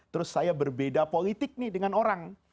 terus saya berbeda politik nih dengan orang